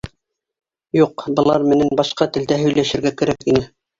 Юҡ, былар менән башҡа «телдә» һөйләшергә кәрәк ине.